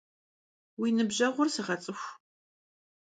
Vui nıbjeğur sığets'ıxu!